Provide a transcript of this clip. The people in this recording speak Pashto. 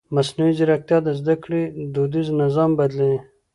مصنوعي ځیرکتیا د زده کړې دودیز نظام بدلوي.